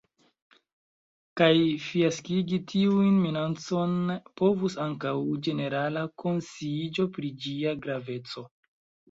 Kaj fiaskigi tiun minacon povus ankaŭ ĝenerala konsciiĝo pri ĝia graveco.